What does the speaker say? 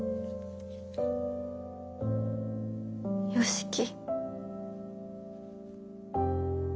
良樹。